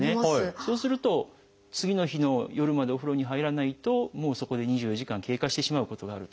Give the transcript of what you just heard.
そうすると次の日の夜までお風呂に入らないともうそこで２４時間経過してしまうことがあると。